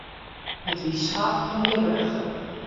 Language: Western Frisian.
It wie swart en glibberich.